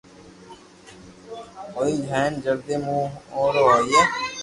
ھوئي ھين جلدو مون ئورو ھوئي